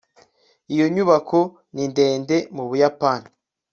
iyo nyubako ni ndende mu buyapani